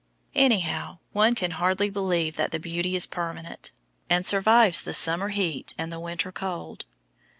Anyhow, one can hardly believe that the beauty is permanent, and survives the summer heat and the winter cold.